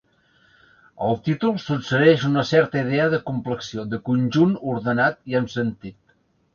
El títol suggereix una certa idea de compleció, de conjunt ordenat i amb sentit.